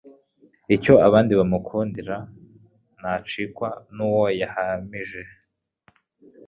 Icyo abandi bamukundira ntacikwa n'uwo yahamije.